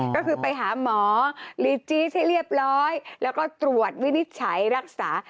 ก็คือไปหาหมอลีจี๊สให้เรียบร้อยแล้วก็ตรวจวินิจฉัยรักษา